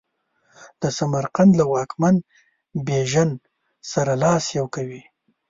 د سمرقند له واکمن بیژن سره لاس یو کوي.